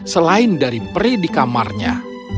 selain dari peri di kamarnya